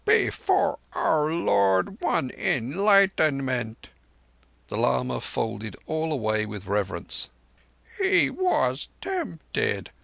"Before our Lord won Enlightenment"—the lama folded all away with reverence—"He was tempted.